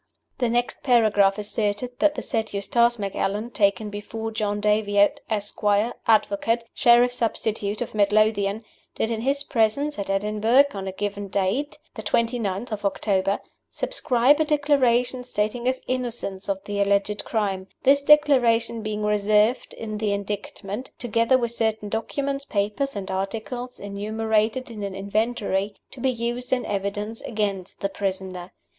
The next paragraph asserted that the said Eustace Macallan, taken before John Daviot, Esquire, advocate, Sheriff Substitute of Mid Lothian, did in his presence at Edinburgh (on a given date, viz., the 29th of October), subscribe a Declaration stating his innocence of the alleged crime: this Declaration being reserved in the Indictment together with certain documents, papers and articles, enumerated in an Inventory to be used in evidence against the prisoner.